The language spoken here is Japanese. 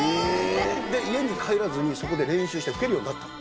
で家に帰らずにそこで練習して吹けるようになったの。